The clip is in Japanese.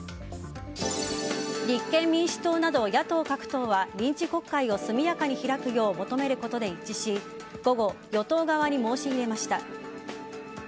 立憲民主党など野党各党は臨時国会を速やかに開くよう求めることで一致し午後、与党側に申し入れました。